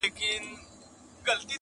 د درد پېټی دي را نیم که چي یې واخلم,